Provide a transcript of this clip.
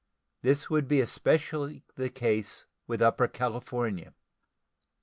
This would be especially the case with Upper California.